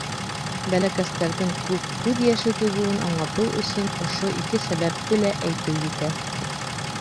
Бәләкәстәрҙең күп күҙ йәше түгеүен аңлатыу өсөн ошо ике сәбәпте лә әйтеү етә.